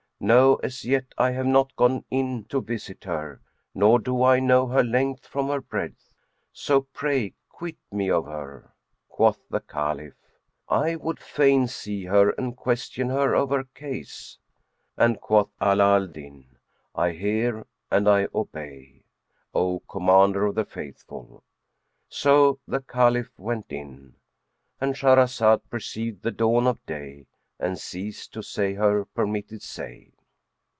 No, as yet I have not gone in to visit her nor do I know her length from her breadth; so pray quit me of her." Quoth the Caliph, "I would fain see her and question her of her case;" and quoth Ala al Din, "I hear and I obey, O Commander of the Faithful." So the Caliph went in,—And Shahrazad perceived the dawn of day and ceased to say her permitted say.